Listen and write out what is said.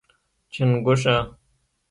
🐸 چنګوښه